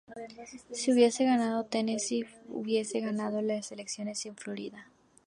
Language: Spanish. Si hubiese ganado Tennessee, hubiese ganado las elecciones sin Florida.